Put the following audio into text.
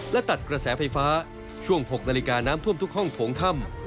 และตัดกระแสไฟฟ้าช่วง๖นาฬิกาน้ำท่วมทุกห้องโถงถ้ำ